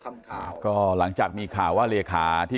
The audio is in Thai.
เพื่อยุดยั้งการสืบทอดอำนาจของขอสอชอต่อและยังพร้อมจะเป็นนายกรัฐมนตรี